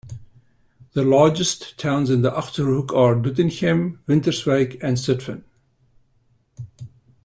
The largest towns in the Achterhoek are: Doetinchem, Winterswijk, and Zutphen.